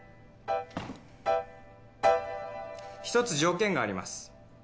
１つ条件があります。